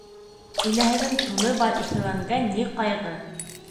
Инәһенең туны бар Иҫәүәнгә ни ҡайғы?